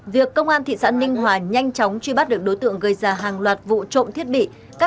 việc công an thị xã ninh hòa nhanh chóng truy bắt được đối tượng gây ra hàng loạt vụ trộm thiết bị